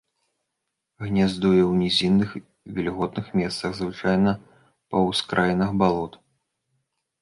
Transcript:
Гняздуе ў нізінных вільготных месцах, звычайна па ўскраінах балот.